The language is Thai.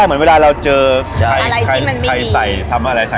เรียกว่าเบี้ยแก้